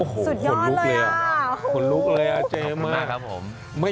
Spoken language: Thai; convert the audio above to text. สุดยอดเลยอ่ะขนลุกเลยอ่ะเจมส์ขอบคุณมากครับผม